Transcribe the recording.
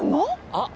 あっ。